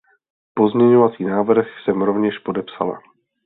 Pozměňovací návrh jsem rovněž podepsala.